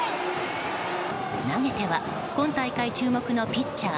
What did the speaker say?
投げては今大会注目のピッチャー